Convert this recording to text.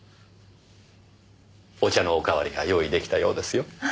お茶のおかわりが用意出来たようですよ。